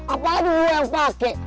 apalagi gue yang pakai